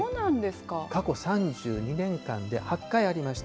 過去３２年間で８回ありました。